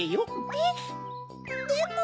えっでも。